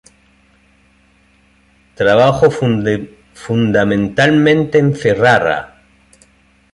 Trabajó fundamentalmente en Ferrara.